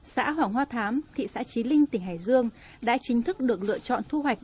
xã hoàng hoa thám thị xã trí linh tỉnh hải dương đã chính thức được lựa chọn thu hoạch